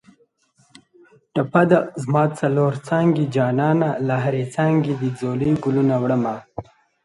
ټپه ده: زما څلور څانګې جانانه له هرې څانګې دې ځولۍ ګلونه وړمه